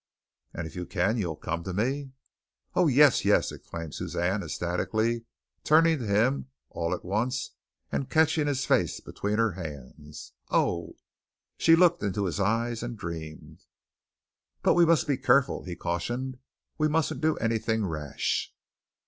"And if you can you'll come to me?" "Oh, yes, yes," exclaimed Suzanne ecstatically, turning to him all at once and catching his face between her hands. "Oh!" she looked into his eyes and dreamed. "But we must be careful," he cautioned. "We musn't do anything rash."